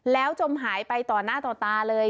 แล้วจมหายไปต่อหน้าต่อตาเลย